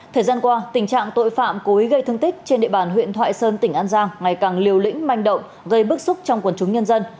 thời gian qua tình trạng tội phạm cố ý gây thương tích trên địa bàn huyện thoại sơn tỉnh an giang ngày càng liều lĩnh manh động gây bức xúc trong quần chúng nhân dân